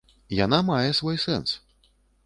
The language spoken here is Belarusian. Яна мае свой сэнс.